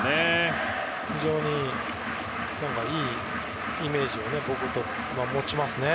非常にいいイメージを僕は持ちますね。